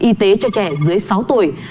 y tế cho trẻ dưới sáu tuổi